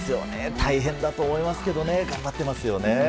大変だと思いますけど頑張っていますよね。